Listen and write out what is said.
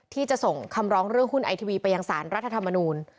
ที่จะส่งคำร้องเรื่องหุ้นไอทีวีไปยังสารรัฐธรรมนูล